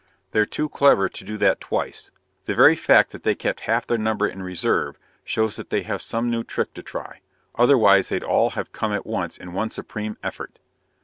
"They're too clever to do that twice. The very fact that they kept half their number in reserve shows that they have some new trick to try. Otherwise they'd all have come at once in one supreme effort."